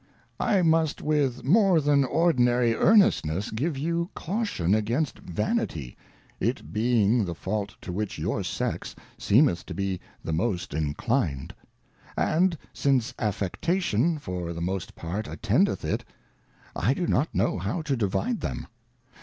IMust with more than ordinary earnestness give you Caution against Vanit y, it being the Fault to which your Sex seemeth to be the most inclined ; and since^;^#£c£a^iow_ for thejmost part attendeth it, I do not know how to divide them.